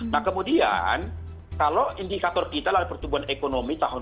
nah kemudian kalau indikator kita adalah pertumbuhan ekonomi tahun dua ribu dua puluh